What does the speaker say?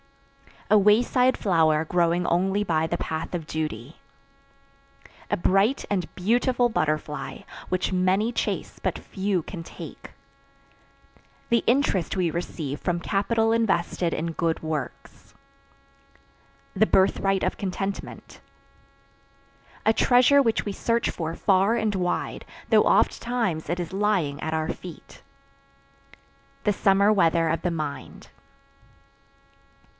A wayside flower growing only by the path of duty. A bright and beautiful butterfly, which many chase but few can take. The interest we receive from capital invested in good works. The birthright of contentment. A treasure which we search for far and wide, though oft times it is lying at our feet. The summer weather of the mind.